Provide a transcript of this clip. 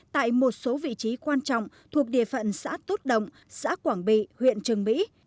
tại một số vị trí quan trọng thuộc địa phận xã tốt động xã quảng bị huyện trường mỹ